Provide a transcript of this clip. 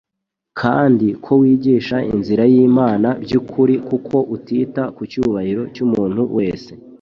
kandi ko wigisha inzira y'Imana by'ukuri kuko utita ku cyubahiro cy'umuntu wese,